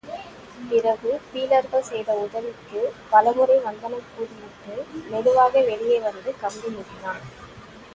பிறகு பீலர்கள் செய்த உதவிக்குப் பலமுறை வந்தனம் கூறிவிட்டு, மெதுவாக வெளியே வந்து கம்பி நீட்டினான்.